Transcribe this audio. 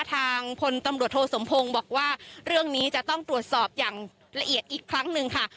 ทางพลตำรวจโทสมพงศ์บอกว่าเรื่องนี้จะต้องตรวจสอบอย่างละเอียดอีกครั้งหนึ่งค่ะ